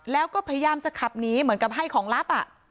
แล้วก็พยายามจะขับหนีเหมือนกับให้ของลับ